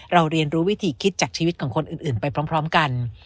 เรียนรู้วิธีคิดจากชีวิตของคนอื่นไปพร้อมกัน